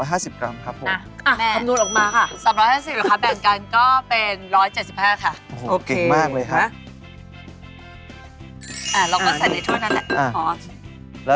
พี่กล่าวเขาต้องนวดตามนะ